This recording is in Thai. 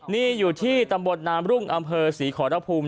นี่อยู่ที่ตำบลนามรุ่งอำเภอศรีขอรภูมิ